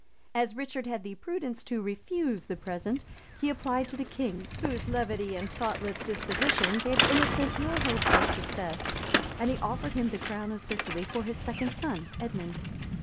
As Richard had the prudence to refuse the present,[*] he applied to the king, whose levity and thoughtless disposition gave Innocent more hopes of success; and he offered him the crown of Sicily for his second son, Edmond.